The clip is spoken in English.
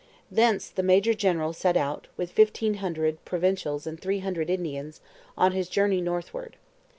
Thence the major general set out, with fifteen hundred provincials and three hundred Indians, on his journey northward.